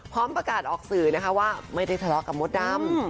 พร้อมประกาศออกสื่อนะคะว่าไม่ได้ทะเลาะกับมดดำ